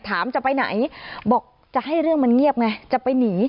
จะไปไหนบอกจะให้เรื่องมันเงียบไงจะไปหนี